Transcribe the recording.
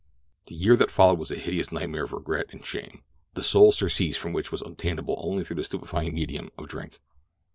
The year that followed was a hideous nightmare of regret and shame, the sole surcease from which was obtainable only through the stupefying medium of drink.